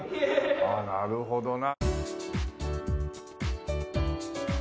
ああなるほどな。